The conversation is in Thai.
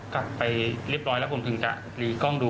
กลับไปเรียบร้อยแล้วผมถึงจะหนีกล้องดู